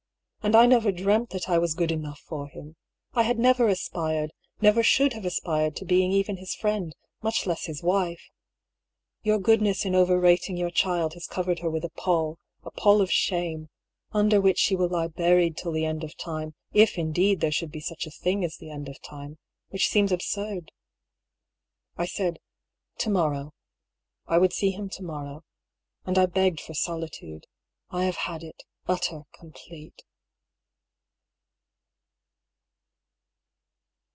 And I never dreamt that I was good enough for him. I had never aspired, never should have aspired to being even his friend, much less his wife. Your goodness in overrating your child has covered her with a pall — a pall of shame — under which she will lie buried till the end of time — if, indeed, there should be such a thing as the end of time — which seems absurd. I said, " To morrow." I would see him to morrow. And I begged for solitude. I have had it — utter, com plete.